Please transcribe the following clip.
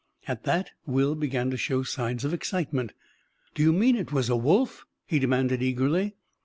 At that, Will began to show signs of excitement. "Do you mean it was a wolf?" he demanded eagerly.